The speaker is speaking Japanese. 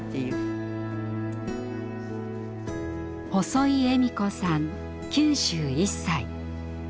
細井恵美子さん９１歳。